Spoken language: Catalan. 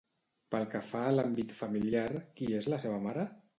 Pel que fa a l'àmbit familiar, qui és la seva mare?